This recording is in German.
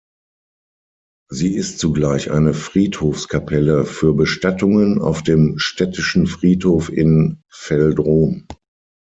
Sie ist zugleich eine Friedhofskapelle für Bestattungen auf dem städtischen Friedhof in Veldrom.